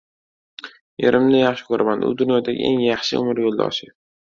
Erimni yaxshi koʻraman, u dunyodagi eng yaxshi umr yoʻldoshi.